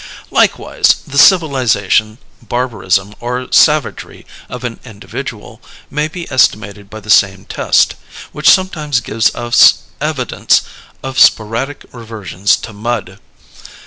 Likewise, the civilization, barbarism, or savagery of an individual may be estimated by the same test, which sometimes gives us evidence of sporadic reversions to mud.